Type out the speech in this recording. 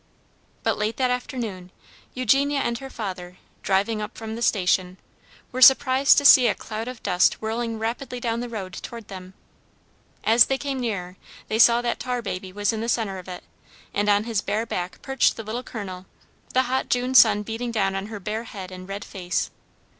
But late that afternoon, Eugenia and her father, driving up from the station, were surprised to see a cloud of dust whirling rapidly down the road toward them. As they came nearer they saw that Tarbaby was in the centre of it, and on his bare back perched the Little Colonel, the hot June sun beating down on her bare head and red face.